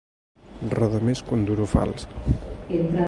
Roda més que un duro fals.